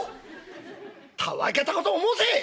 「たわけたことを申せ！